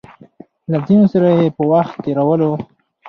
له ځينو سره يې په وخت تېرولو